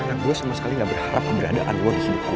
karena gue sama sekali gak berharap keberadaan lo di hidupku